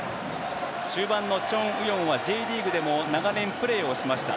中盤のチョン・ウヨンはＪリーグでも長年、プレーしました。